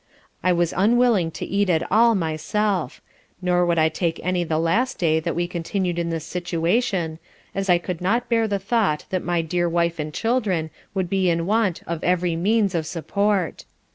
I was unwilling to eat at all myself; nor would I take any the last day that we continued in this situation, as I could not bear the thought that my dear wife and children would be in want of every means of support.